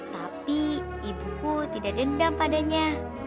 tapi ibuku tidak dendam padanya